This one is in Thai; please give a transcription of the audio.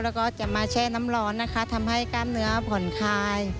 แล้วก็จะมาแช่น้ำร้อนนะคะทำให้กล้ามเนื้อผ่อนคลาย